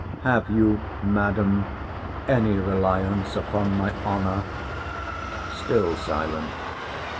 Have you, Madam, any reliance upon my honour? Still silent.